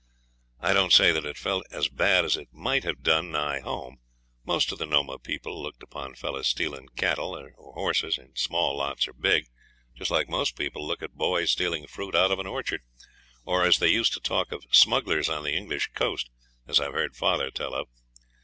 I don't say that it felt as bad as it might have done nigh home. Most of the Nomah people looked upon fellows stealing cattle or horses, in small lots or big, just like most people look at boys stealing fruit out of an orchard, or as they used to talk of smugglers on the English coast, as I've heard father tell of.